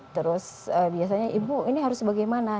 terus biasanya ibu ini harus bagaimana